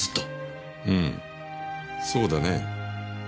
うんそうだねぇ。